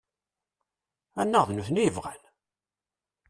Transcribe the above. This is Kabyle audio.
Anaɣ d nutni i yebɣan?